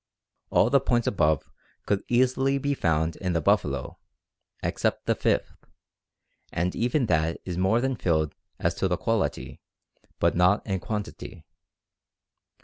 ] "All the points above could easily be found in the buffalo, excepting the fifth, and even that is more than filled as to the quality, but not in quantity.